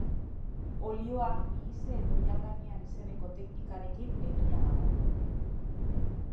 Olioa mihise edo oihal gainean izeneko teknikarekin egina dago.